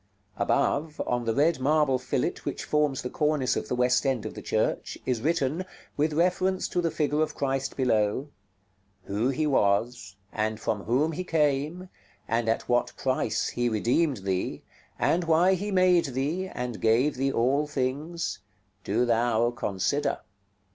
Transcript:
Above, on the red marble fillet which forms the cornice of the west end of the church, is written, with reference to the figure of Christ below: "WHO HE WAS, AND FROM WHOM HE CAME, AND AT WHAT PRICE HE REDEEMED THEE, AND WHY HE MADE THEE, AND GAVE THEE ALL THINGS, DO THOU CONSIDER."